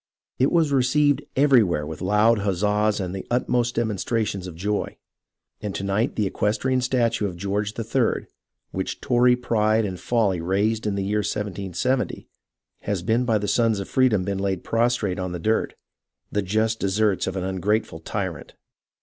It was received everywhere with loud huzzas and the utmost demonstrations of joy ; and to night the eques trian statue of George III., which Tory pride and folly raised in the year 1770, has by the Sons of Freedom been laid prostrate in the dirt — the just desert of an ungrateful tyrant!